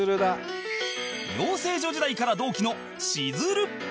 養成所時代から同期のしずる